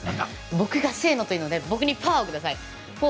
僕が「せーの」と言うのでパワーをください。